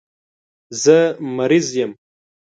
زه مریض یم.